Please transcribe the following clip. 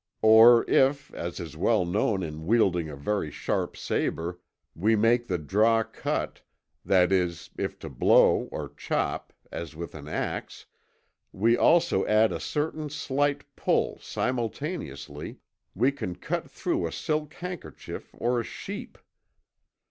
Or, if, as is well known in wielding a very sharp sabre, we make the draw cut; that is, if to the blow or chop, as with an axe, we also add a certain slight pull, simultaneously, we can cut through a silk handkerchief or a sheep.